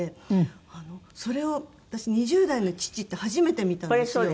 それを私２０代の父って初めて見たんですよ。